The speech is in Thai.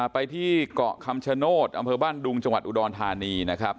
ไปที่เกาะคำชโนธอำเภอบ้านดุงจังหวัดอุดรธานีนะครับ